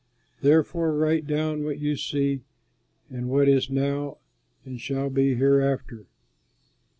Therefore write down what you see and what is now and shall be hereafter.